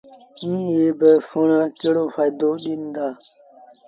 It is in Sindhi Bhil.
ائيٚݩ ايٚ با سُڻآ تا ڪهڙو ڦآئيدو ڏيݩ دآ۔